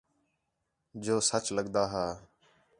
جو سُڄ لُکدا ہا